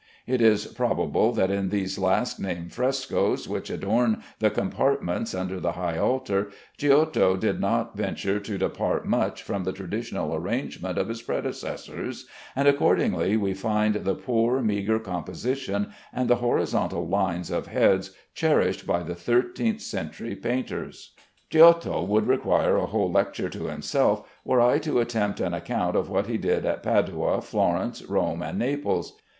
It is probable that in these last named frescoes, which adorn the compartments under the high altar, Giotto did not venture to depart much from the traditional arrangement of his predecessors, and accordingly we find the poor, meagre composition and the horizontal lines of heads cherished by the thirteenth century painters. Giotto would require a whole lecture to himself, were I to attempt an account of what he did at Padua, Florence, Rome, and Naples.